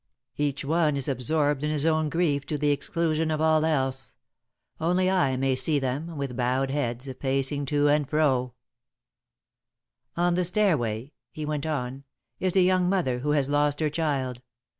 Each one is absorbed in his own grief to the exclusion of all else. Only I may see them, with bowed heads, pacing to and fro. [Sidenote: Selfish Grief] "On the stairway," he went on, "is a young mother who has lost her child.